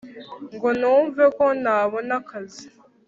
ngo numve ko nabona akazi